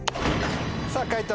さぁ解答